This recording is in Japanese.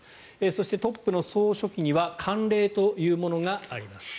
そして、トップの総書記には慣例というものがあります。